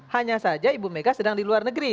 hanya saja ibu mega sedang di luar negeri